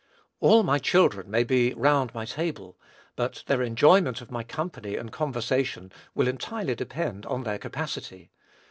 All my children may be round my table, but their enjoyment of my company and conversation will entirely depend on their capacity.